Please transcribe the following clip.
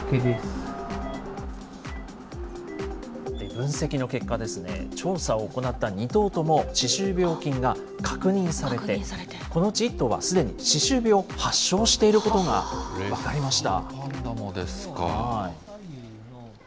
分析の結果ですね、調査を行った２頭とも、歯周病菌が確認されて、このうち１頭はすでに歯周病を発症していることが分かりました。